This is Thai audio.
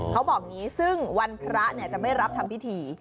เขาบอกอย่างนี้ซึ่งวันพระจะไม่รับทำพิธี